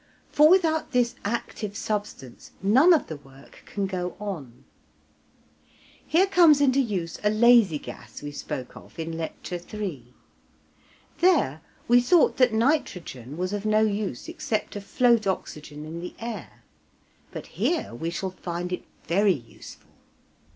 for without this active substance none of the work can go on. Here comes into use a lazy gas we spoke of in Lecture III. There we thought that nitrogen was of no use except to float oxygen in the air, but here we shall find it very useful.